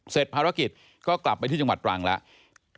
เสร็จภารกิจก็กลับไปที่จังหวัดตรังแล้ว